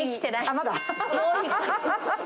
まだ？